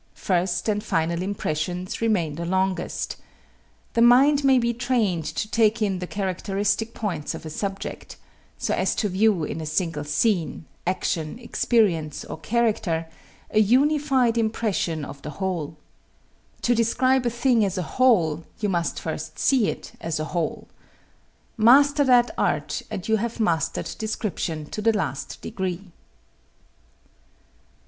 First and final impressions remain the longest. The mind may be trained to take in the characteristic points of a subject, so as to view in a single scene, action, experience, or character, a unified impression of the whole. To describe a thing as a whole you must first see it as a whole. Master that art and you have mastered description to the last degree.